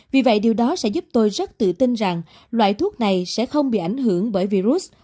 vì vậy điều đó sẽ giúp tôi rất tự tin rằng loại thuốc này sẽ không bị ảnh hưởng bởi virus